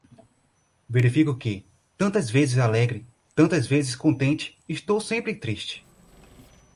Verifico que, tantas vezes alegre, tantas vezes contente, estou sempre triste.